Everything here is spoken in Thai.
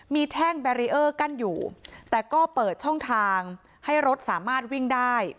มีแท่งแบรีเออร์กั้นอยู่แต่ก็เปิดช่องทางให้รถสามารถวิ่งได้